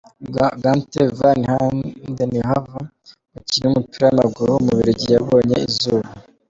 Gunter Van Handenhoven, umukinnyi w’umupira w’amaguru w’umubiligi yabonye izuba.